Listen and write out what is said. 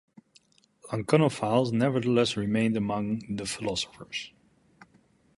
Laconophiles nevertheless remained among the philosophers.